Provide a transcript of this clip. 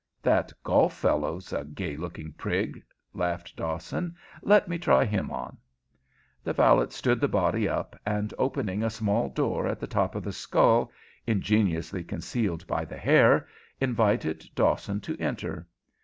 "That golf fellow's a gay looking prig!" laughed Dawson. "Let me try him on." The valet stood the body up, and, opening a small door at the top of the skull, ingeniously concealed by the hair, invited Dawson to enter.